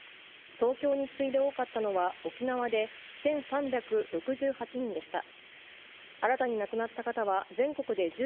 東京に次いで多かったのは沖縄で１３６８人でした。